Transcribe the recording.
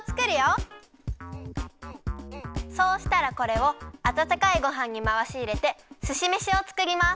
そうしたらこれをあたたかいごはんにまわしいれてすしめしをつくります。